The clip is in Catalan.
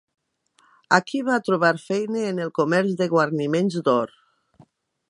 Aquí va trobar feina en el comerç de guarniments d'or.